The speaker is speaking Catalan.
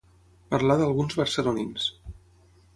Parlar d'alguns barcelonins.